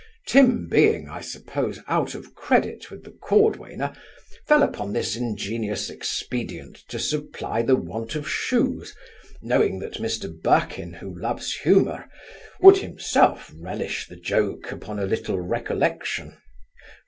Tim, being (I suppose) out of credit with the cordwainer, fell upon this ingenious expedient to supply the want of shoes, knowing that Mr Birkin, who loves humour, would himself relish the joke upon a little recollection.